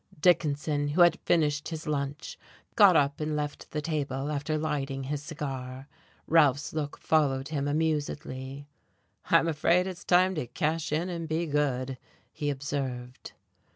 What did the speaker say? Dickinson, who had finished his lunch, got up and left the table after lighting his cigar. Ralph's look followed him amusedly. "I'm afraid it's time to cash in and be good," he observed.